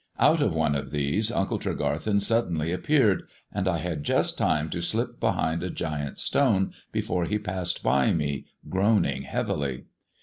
Out of one of these Uncle Tregarthen suddenly appeared, and I had just time to slip behind a giant stone before he passed by me groaning heavily.